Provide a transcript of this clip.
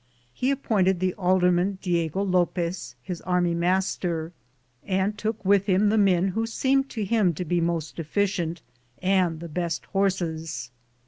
He appointed the alderman Diego Lopez Mb army master, and took with him the men who seemed to him to be most efficient, and the best horses.